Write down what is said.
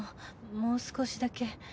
もう少しだけ。